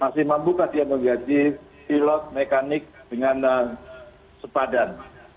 masih mampukah dia menggaji pilot mekanik dengan sepadan